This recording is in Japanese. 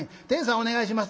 お願いします。